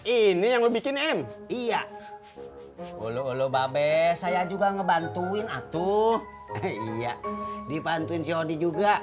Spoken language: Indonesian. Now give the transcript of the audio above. ini yang bikin m iya ulu ulu babes saya juga ngebantuin atuh iya dipantuin jodi juga